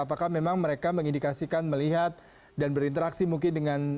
apakah memang mereka mengindikasikan melihat dan berinteraksi mungkin dengan